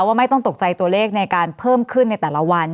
ไม่ต้องตกใจตัวเลขในการเพิ่มขึ้นในแต่ละวัน